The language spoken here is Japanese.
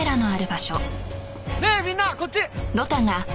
ねえみんなこっち！